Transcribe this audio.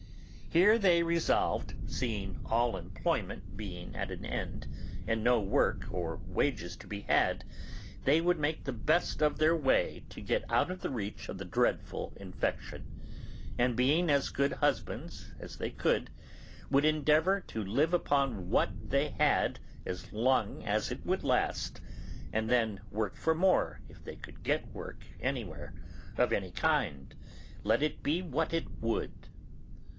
Here they resolved (seeing all employment being at an end, and no work or wages to be had), they would make the best of their way to get out of the reach of the dreadful infection, and, being as good husbands as they could, would endeavour to live upon what they had as long as it would last, and then work for more if they could get work anywhere, of any kind, let it be what it would.